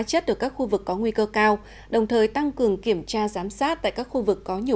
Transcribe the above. chất ở các khu vực có nguy cơ cao đồng thời tăng cường kiểm tra giám sát tại các khu vực có nhiều